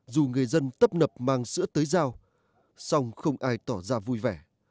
dù người dân tấp nập mang sữa tới rau song không ai tỏ ra vui vẻ